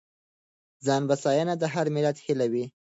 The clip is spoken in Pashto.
ځانبسیاینه د هر ملت هیله وي.